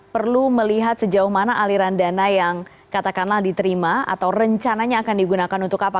perlu melihat sejauh mana aliran dana yang katakanlah diterima atau rencananya akan digunakan untuk apa